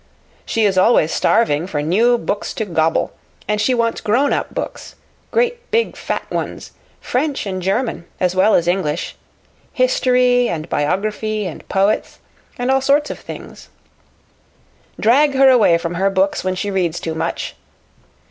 She is always starving for new books to gobble, and she wants grown up books great, big, fat ones French and German as well as English history and biography and poets, and all sorts of things. Drag her away from her books when she reads too much.